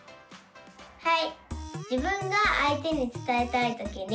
はい。